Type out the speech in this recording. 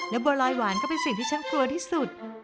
บัวลอยหวานก็เป็นสิ่งที่ฉันกลัวที่สุด